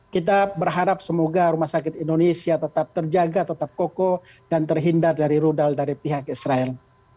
kita berharap semoga rumah sakit indonesia tetap terjaga tetap kokoh dan terhindar dari rudal dari pihak israel